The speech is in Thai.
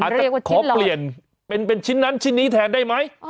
อ๋อเรียกว่าชิ้นหลอดอาจจะขอเปลี่ยนเป็นเป็นชิ้นนั้นชิ้นนี้แทนได้ไหม